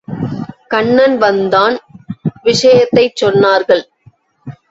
கண்ணன் வந்தான், விஷயத்தைச் சொன்னார்கள்.